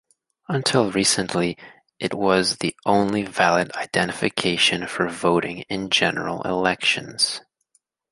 Until recently, it was the only valid identification for voting in general elections.